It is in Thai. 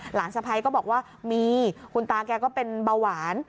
สะพ้ายก็บอกว่ามีคุณตาแกก็เป็นเบาหวาน